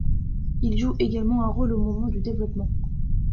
Ils jouent également un rôle au moment du développement.